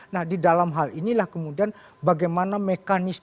nah di dalam hal inilah kemudian bagaimana mekanisme